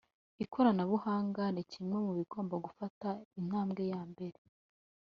ikoranabuhanga ni kimwe mu bigomba gufata intambwe ya mbere